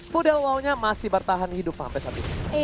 fudel wow nya masih bertahan hidup sampai sampai ini